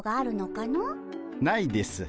ないです。